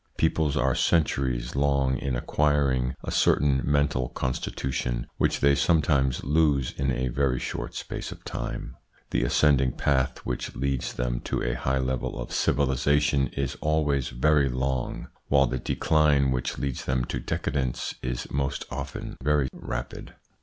Peoples are centuries long in acquiring a certain mental constitution, which they sometimes lose in a very short space of time. The ascending path which leads them to a high level of civilisation is always very long, while the decline which leads them to decadence is most often very rapid.